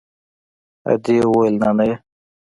ادې وويل نانيه.